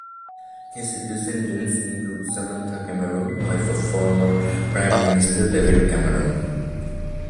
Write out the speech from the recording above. His descendants include Samantha Cameron, wife of former Prime Minister David Cameron.